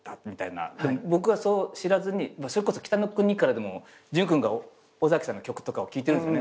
僕はそう知らずにそれこそ『北の国から』でも純君が尾崎さんの曲とかを聴いてるんですよね。